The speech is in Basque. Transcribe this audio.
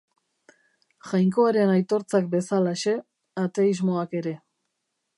Jainkoaren aitortzak bezalaxe, ateismoak ere.